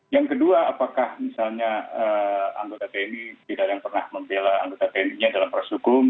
yang kedua apakah misalnya anggota tni tidak ada yang pernah membela anggota tni nya dalam proses hukum